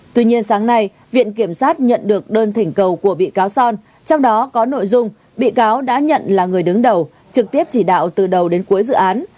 tuy nhiên sáng nay viện kiểm sát nhận được đơn thỉnh cầu của bị cáo son trong đó có nội dung bị cáo đã nhận là người đứng đầu trực tiếp chỉ đạo từ đầu đến cuối dự án